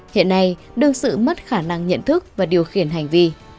hiện nay đương sự mất khả năng nhận thức và điều khiển hành vi